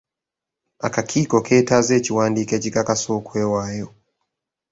Akakiiko ketaaze ekiwandiiko ekikakasa okwewaayo.